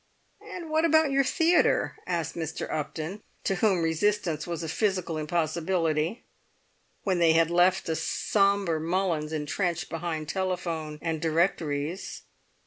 "And what about your theatre?" asked Mr. Upton, to whom resistance was a physical impossibility, when they had left the sombre Mullins entrenched behind telephone and directories.